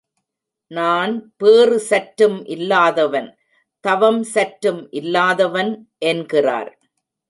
நான் பேறு சற்றும் இல்லாதவன் தவம் சற்றும் இல்லாதவன் என்கிறார்.